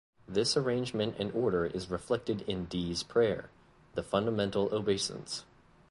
This arrangement and order is reflected in Dee's prayer - The Fundamental Obeisance.